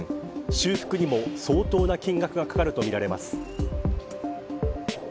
修復にも相当な金額がかかるとみられます。